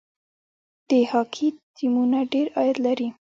د هاکي ټیمونه ډیر عاید لري.